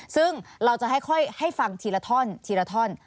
ซึ่งเราจะค่อยให้ฟังทีละท่อนทีละท่อน